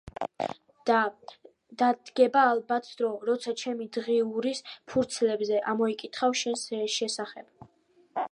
...და დადგება ალბათ დრო, როცა ჩემი დღიურის ფურცლებზე ამოიკითხავ შენ შესახებ.